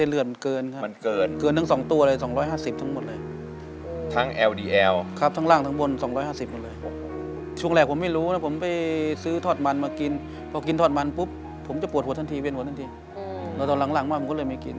รักรักสักคนเถิดปาก